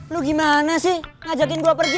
lu gimana sih ngajakin gue pergi